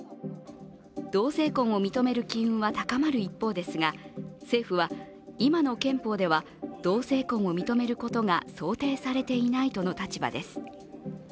同性婚を認める機運は高まる一方ですが、政府は今の憲法では同性婚を認めることが想定されていないとの立場です。